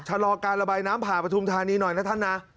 ชะลอการระบายน้ำผ่าปฐุมธานีหน่อยนะท่านนะ